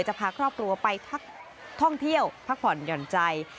จะพาครอบครัวไปท่องเที่ยวพักผ่อนหย่อนใจ